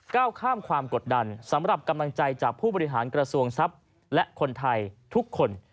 ก้าวข้ามความกดดันสำหรับกำลังใจจากผู้บริหารกระทรวงทรัพย์และคนไทยทุกคน